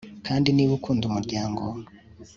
kandi niba ukunda umuryango